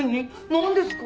何ですか？